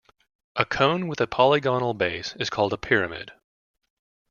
A cone with a polygonal base is called a pyramid.